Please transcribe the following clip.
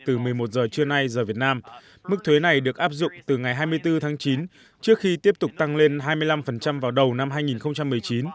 từ một mươi một giờ trưa nay giờ việt nam mức thuế này được áp dụng từ ngày hai mươi bốn tháng chín trước khi tiếp tục tăng lên hai mươi năm vào đầu năm hai nghìn một mươi chín